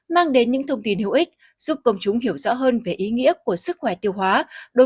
mang đến những thông tin hữu ích giúp công chúng hiểu rõ hơn về ý nghĩa của sức khỏe tiêu hóa